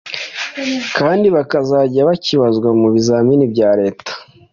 kandi bakazajya bakibazwa mu bizamini bya leta.